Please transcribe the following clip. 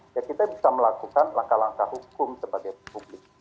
ya kita bisa melakukan langkah langkah hukum sebagai publik